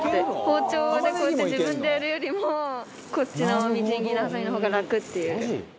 包丁でこうやって自分でやるよりもこっちのみじん切りはさみの方が楽っていう。